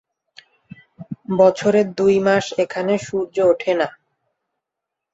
বছরের দুই মাস এখানে সূর্য ওঠে না।